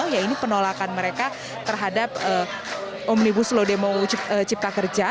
ya ini penolakan mereka terhadap omnibus lodemo cipta kerja